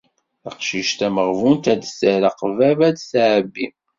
Taqcict tameɣbunt ad terr aqbab ad d-tɛebbi.